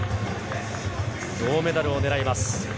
銅メダルを狙います。